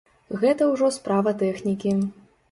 Гэта ўжо справа тэхнікі.